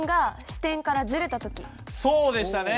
そうでしたね！